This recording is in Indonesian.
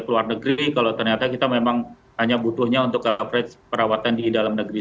keluar negeri kalau ternyata kita memang hanya butuhnya untuk coverage perawatan di dalam negeri